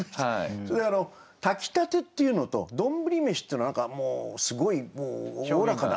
それで「炊きたて」っていうのと「どんぶり飯」っていうのは何かもうすごいおおらかな。